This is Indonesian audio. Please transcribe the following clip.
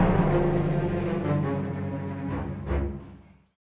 bella kamu dimana bella